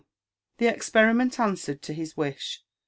The experiment answered to his wish.